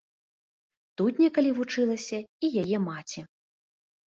Тут некалі вучылася і яе маці.